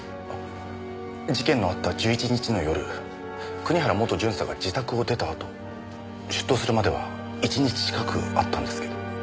事件のあった１１日の夜国原元巡査が自宅を出たあと出頭するまでは１日近くあったんですけど。